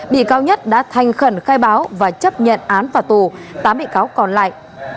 bị cáo nhất đã thanh khẩn khai báo và chấp nhận án phả tù tám bị cáo còn lại